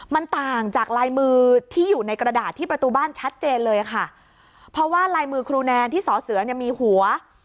มันต่างจากลายมือที่อยู่ในกระดาษที่ประตูบ้านชัดเจนเลยค่ะเพราะว่าลายมือครูแนนที่สอเสือเนี่ยมีหัว